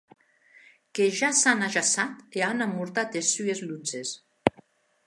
Que ja s’an ajaçat e an amortat es sues lutzes.